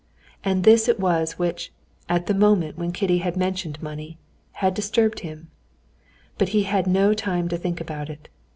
And this it was which, at the moment when Kitty had mentioned money, had disturbed him; but he had no time to think about it.